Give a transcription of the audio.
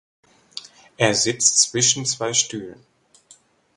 Er sitzt „zwischen zwei Stühlen“.